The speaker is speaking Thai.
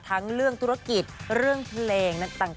ทั้งเรื่องธุรกิจเรื่องเพลงต่าง